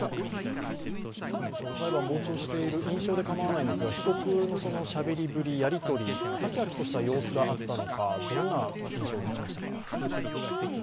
裁判を傍聴している印象でいいんですが被告のしゃべりぶり、やり取り、はきはきとした様子があったのかどんな印象を持ちましたか？